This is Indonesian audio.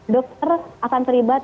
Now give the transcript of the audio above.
dokter akan terlibat